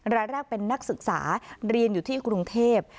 รายแรกเป็นนักศึกษาเรียนอยู่ที่กรุงเทพ